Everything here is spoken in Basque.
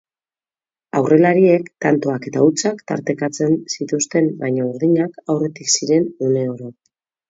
Aurrelariek tantoak eta hutsak tartekatzen zituzten baina urdinak aurretik ziren une oro.